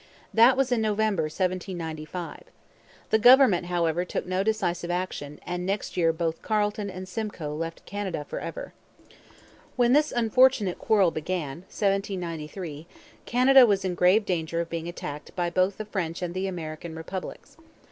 That was in November 1795. The government, however, took no decisive action, and next year both Carleton and Simcoe left Canada for ever. When this unfortunate quarrel began (1793) Canada was in grave danger of being attacked by both the French and the American republics.